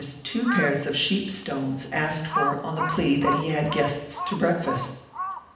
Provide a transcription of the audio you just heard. V] ABUSES 533 two pairs of sheep's stones asked for on the plea that he had guests to breakfast.